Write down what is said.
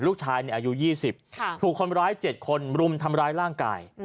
ลูกชายอายุ๒๐ถูกคนร้าย๗คนรุมทำร้ายร่างกาย